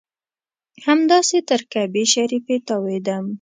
همداسې تر کعبې شریفې تاوېدم.